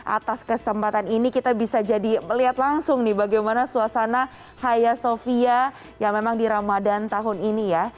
atas kesempatan ini kita bisa jadi melihat langsung nih bagaimana suasana haya sofia yang memang di ramadan tahun ini ya